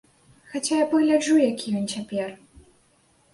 Хаця я пагляджу, які ён цяпер.